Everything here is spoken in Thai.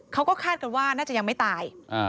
เขาก็คาดกันว่าน่าจะยังไม่ตาย